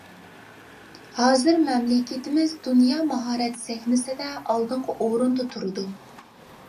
ھازىر مەملىكىتىمىز دۇنيا ماھارەت سەھنىسىدە ئالدىنقى ئورۇندا تۇرىدۇ.